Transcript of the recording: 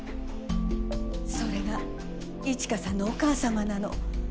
それが一華さんのお母さまなの。